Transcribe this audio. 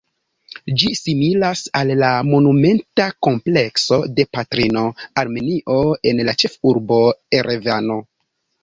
Ĝi similas al la monumenta komplekso de Patrino Armenio en la ĉefurbo Erevano.